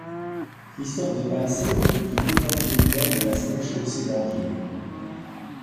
Christophe de Pincé fut lieutenant criminel de la sénéchaussée d'Angers.